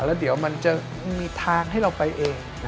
แล้วเดี๋ยวมันจะมีทางให้เราไปเอง